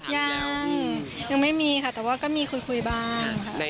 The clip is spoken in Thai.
ยังยังไม่มีค่ะแต่ว่าก็มีคุยบ้างค่ะ